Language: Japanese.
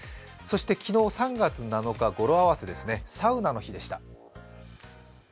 そして昨日３月７日、語呂合わせですね、サウナの日でした。